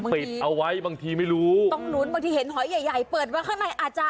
ปิดเอาไว้บางทีไม่รู้ต้องลุ้นบางทีเห็นหอยใหญ่ใหญ่เปิดไว้ข้างในอาจจะ